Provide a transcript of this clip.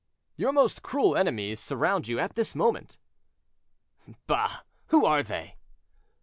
"Your most cruel enemies surround you at this moment." "Bah! who are they?"